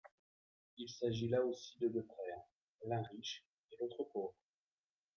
Il s'agit là aussi de deux frères, l'un riche et l'autre pauvre.